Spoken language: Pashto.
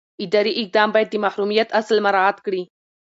اداري اقدام باید د محرمیت اصل مراعات کړي.